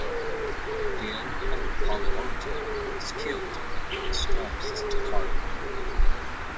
Ghale, of Nepali origin, was killed when police stormed his Jakarta home.